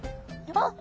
あっ！